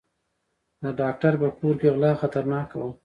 د ډاکټر په کور کې غلا خطرناکه وه.